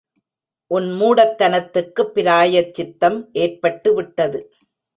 உன் மூடத்தனத்துக்குப் பிராயச்சித்தம் ஏற்பட்டுவிட்டது.